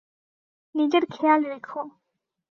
নিজের খেয়াল রেখো।